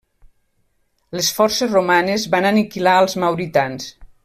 Les forces romanes van aniquilar als mauritans.